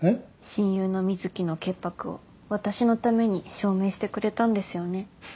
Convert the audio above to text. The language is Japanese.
親友の瑞貴の潔白を私のために証明してくれたんですよね